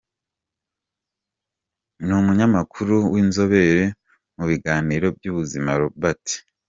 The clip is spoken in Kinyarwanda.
n’umunyamakuru w’inzobere mu biganiro by’ubuzima, Robert J.